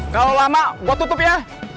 kalo lama gue tutup ya